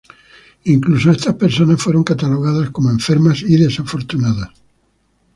Incluso, estas personas fueron catalogadas como enfermas y desafortunadas.